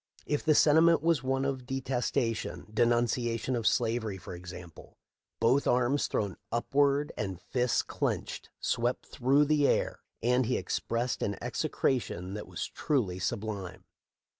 If the sentiment was one of detestation —■ denunciation of slavery, for example — both arms, thrown upward and fists clenched, swept through the air, and he expressed an execration that was truly sublime.